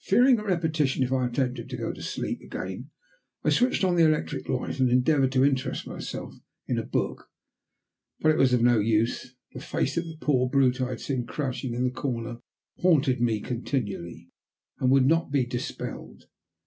Fearing a repetition if I attempted to go to sleep again, I switched on the electric light and endeavoured to interest myself in a book, but it was of no use. The face of the poor brute I had seen crouching in the corner haunted me continually, and would not be dispelled.